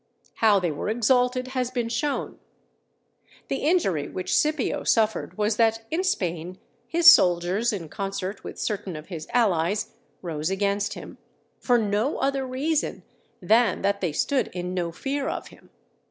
How they were exalted has been shown. The injury which Scipio suffered was, that in Spain his soldiers, in concert with certain of his allies, rose against him, for no other reason than that they stood in no fear of him.